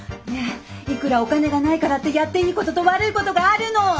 ねえいくらお金がないからってやっていいことと悪いことがあるの！